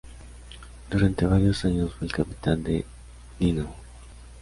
Durante varios años fue el capitán del Dynamo.